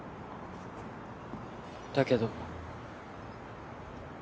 だけど。